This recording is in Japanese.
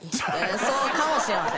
そうかもしれません。